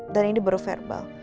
dan ini baru verbal